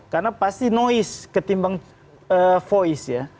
karena pasti noise ketimbang voice ya